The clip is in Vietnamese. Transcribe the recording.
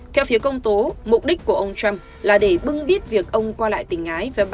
theo phía công tố mục đích của ông trump là để bưng biết việc ông qua lại tình ái